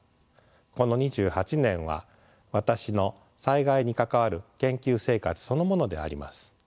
この２８年は私の災害に関わる研究生活そのものであります。